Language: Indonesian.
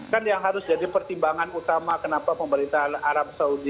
kan yang harus jadi pertimbangan utama kenapa pemerintah arab saudi